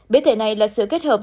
biến thể này là sự kết hợp